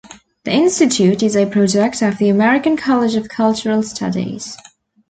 The Institute is a project of the American College of Cultural Studies.